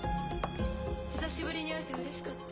久しぶりに会えてうれしかった。